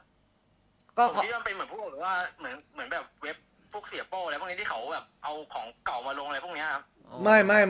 ที่เขาแบบเอาของเก่ามาลงอะไรพวกเนี่ยครับ